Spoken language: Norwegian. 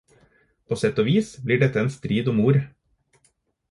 På sett og vis blir dette en strid om ord.